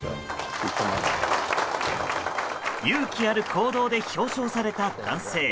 勇気ある行動で表彰された男性。